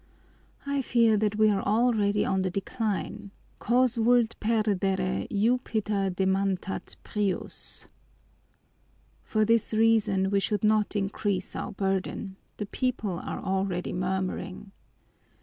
I fear that we are already on the decline; quos vult perdere Jupiter dementat prius. For this reason we should not increase our burden; the people are already murmuring.